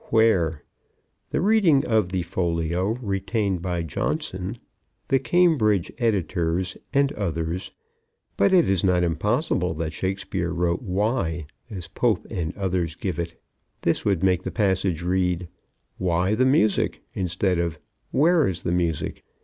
Where. The reading of the folio, retained by Johnson, the Cambridge editors and others, but it is not impossible that Shakespeare wrote "why," as Pope and others give it. This would make the passage read "Why the music?" instead of "Where is the music?"